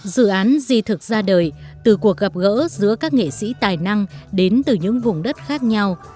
dự án di thực ra đời từ cuộc gặp gỡ giữa các nghệ sĩ tài năng đến từ những vùng đất khác nhau